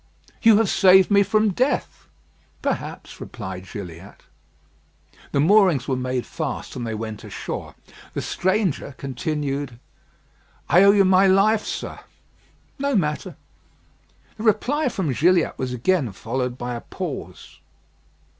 "You have saved me from death." "Perhaps," replied Gilliatt. The moorings were made fast, and they went ashore. The stranger continued "I owe you my life, sir." "No matter." This reply from Gilliatt was again followed by a pause.